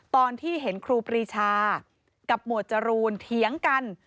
ตอนที่เห็นครูปรีชากับหมวดจรูนเถียงกัน